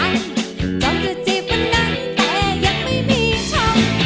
อยากจะจีบเมื่อนั้นแต่ยังไม่มีช้อง